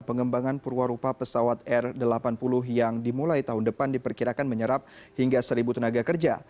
pengembangan perwarupa pesawat r delapan puluh yang dimulai tahun depan diperkirakan menyerap hingga seribu tenaga kerja